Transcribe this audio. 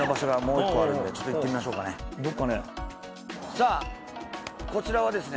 さぁこちらはですね